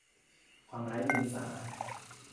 ความไร้เดียงสา